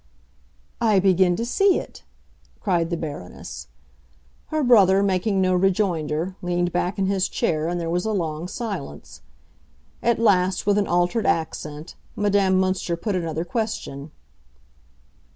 "I begin to see it!" cried the Baroness. Her brother, making no rejoinder, leaned back in his chair, and there was a long silence. At last, with an altered accent, Madame Münster put another question.